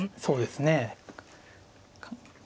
そうですね。